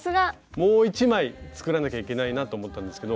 もう一枚作らなきゃいけないなと思ったんですけど。